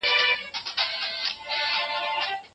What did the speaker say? که پښتو وي، نو زموږ په منځ کې به واټن نه وي.